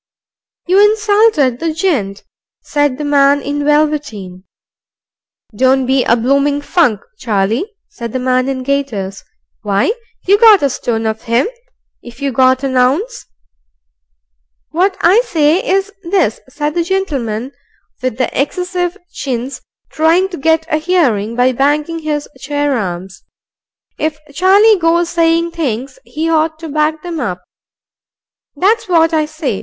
"You insulted the gent," said the man in velveteen. "Don't be a bloomin' funk, Charlie," said the man in gaiters. "Why, you got a stone of him, if you got an ounce." "What I say, is this," said the gentleman with the excessive chins, trying to get a hearing by banging his chair arms. "If Charlie goes saying things, he ought to back 'em up. That's what I say.